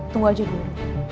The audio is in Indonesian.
tunggu aja dulu